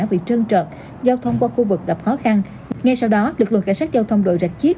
bị trơn trượt giao thông qua khu vực gặp khó khăn ngay sau đó lực lượng cảnh sát giao thông đội rạch chiếc